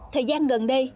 thời gian gần đây